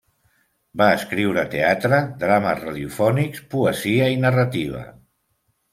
Va escriure teatre, drames radiofònics, poesia i narrativa.